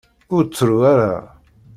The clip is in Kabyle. Ur ttru ara.